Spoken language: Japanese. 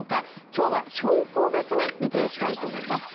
今日は標高別に見ていきたいと思います。